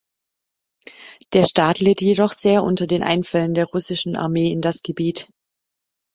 Der Staat litt jedoch sehr unter den Einfällen der russischen Armee in das Gebiet.